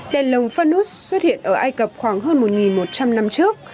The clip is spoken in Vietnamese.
đèn lồng fanus xuất hiện ở ai cập khoảng hơn một một trăm linh năm trước